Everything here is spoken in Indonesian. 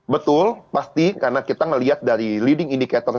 betul pasti karena kita melihat dari leading indicator